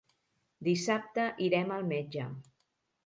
Dissabte irem al metge.